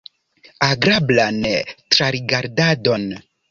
Agrablan trarigardadon!